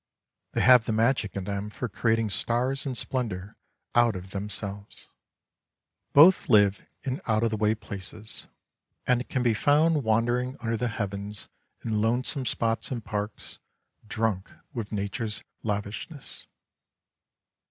They have the magic in them for creating stars and splendor out of themselves. Both live in out of the way places, and can be found 28 wandering under the heavens in lonesome spots and parks, drunk with nature's lavishness.